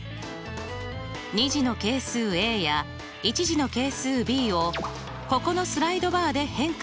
２次の係数や１次の係数ｂをここのスライドバーで変化させます。